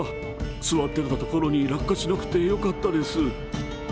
座っていた所に落下しなくてよかったです。